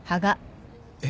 えっ？